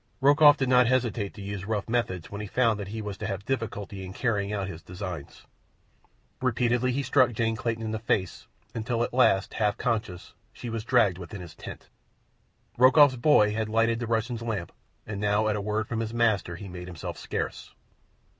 Rokoff did not hesitate to use rough methods when he found that he was to have difficulty in carrying out his designs. Repeatedly he struck Jane Clayton in the face, until at last, half conscious, she was dragged within his tent. Rokoff's boy had lighted the Russian's lamp, and now at a word from his master he made himself scarce.